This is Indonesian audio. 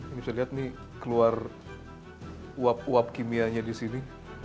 ini bisa dilihat nih keluar uap uap kimianya di sini